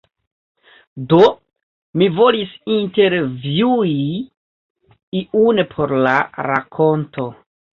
Do, mi volis intervjui iun por la rakonto.